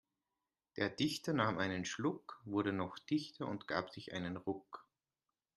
Der Dichter nahm einen Schluck, wurde noch dichter und gab sich einen Ruck.